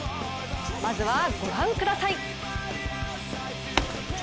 まずはご覧ください。